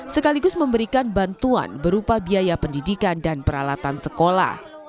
sekaligus memberikan bantuan berupa biaya pendidikan dan peralatan sekolah